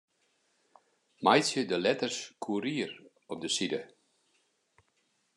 Meitsje de letters Courier op 'e side.